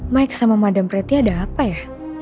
mike sama madam pretty ada apa ya